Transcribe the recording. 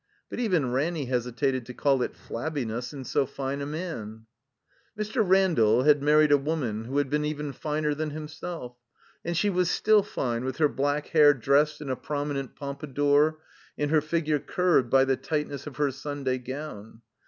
But even Ranny hesitated to call it flabbiness in so fine a man. Mr. Randall had married a woman who had been even finer than himself. And she was still fine, with her black hair dressed in a prominent pompa dour, and her figure curbed by the tightness of her Sunday gown.